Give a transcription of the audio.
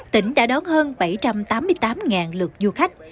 tỉnh đã đón hơn bảy trăm tám mươi tám lượt du khách